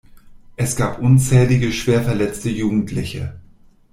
Es gab unzählige schwerverletzte Jugendliche.